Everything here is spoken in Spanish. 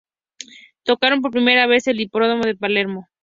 Tocaron por primera vez en el Hipódromo de Palermo.